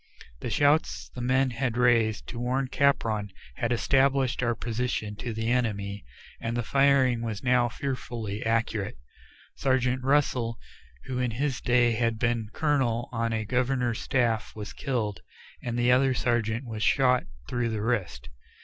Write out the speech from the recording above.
The shouts the men had raised to warn Capron had established our position to the enemy, and the firing was now fearfully accurate. Sergeant Russell, who in his day had been a colonel on a governor's staff, was killed, and the other sergeant was shot through the wrist.